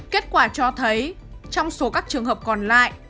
kết quả cho thấy trong số các trường hợp còn lại